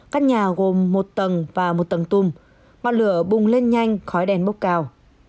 các nhà gồm một tầng và một tầng tùm mặt lửa bùng lên nhanh khói đèn bốc cao